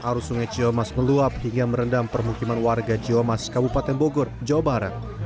arus sungai ciomas meluap hingga merendam permukiman warga ciomas kabupaten bogor jawa barat